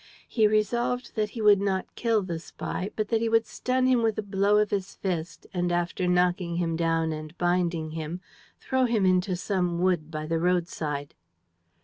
He resolved that he would not kill the spy, but that he would stun him with a blow of his fist and, after knocking him down and binding him, throw him into some wood by the road side.